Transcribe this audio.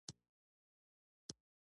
هغه وپوښتل ته پر خدای عقیده لرې که نه.